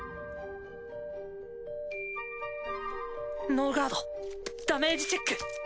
ノーガードダメージチェック。